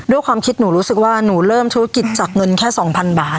ด้วยความคิดหนูรู้สึกว่าหนูเริ่มธุรกิจจากเงินแค่๒๐๐๐บาท